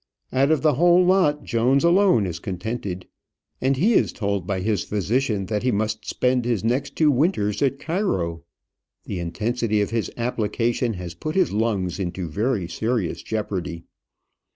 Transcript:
Out of the whole lot, Jones alone is contented; and he is told by his physician that he must spend his next two winters at Cairo. The intensity of his application has put his lungs into very serious jeopardy.